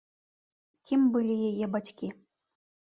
Кім былі яе бацькі?